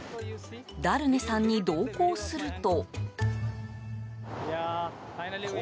ダルネさんに同行すると。